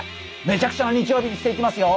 めちゃくちゃな日曜日にしていきますよ。